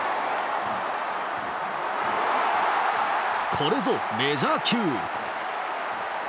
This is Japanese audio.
これぞメジャー級。